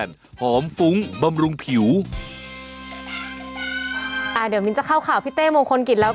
เดี๋ยวมิ้นจะเข้าข่าวพี่เต้มงคลกิจแล้ว